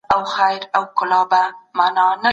تاسو به د خپل ذهن په رڼا کي سبا وینئ.